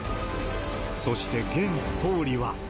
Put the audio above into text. そして、現総理は。